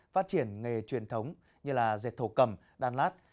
phát triển nghề truyền thống như dệt thổ cầm đan lát